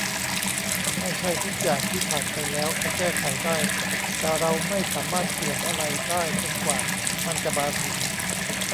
ไม่ใช่ทุกอย่างที่ผ่านไปแล้วจะแก้ไขได้ แต่เราไม่สามารถเปลี่ยนอะไรได้จนกว่ามันจะมาถึง